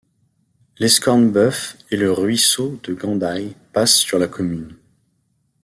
L'Escornebœuf et le Ruisseau de Gandaille passent sur la commune.